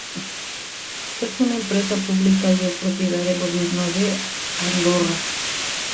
Es una empresa pública y es propiedad del Gobierno de Andorra.